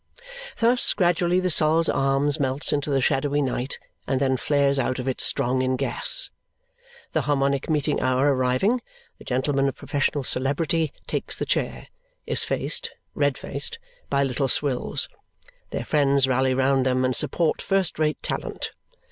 Thus, gradually the Sol's Arms melts into the shadowy night and then flares out of it strong in gas. The Harmonic Meeting hour arriving, the gentleman of professional celebrity takes the chair, is faced (red faced) by Little Swills; their friends rally round them and support first rate talent.